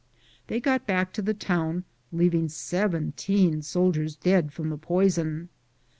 They got back to the town, leaving 17 soldiers dead from the poison.